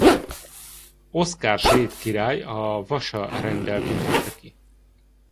Oszkár svéd király a Wasa-renddel tüntette ki.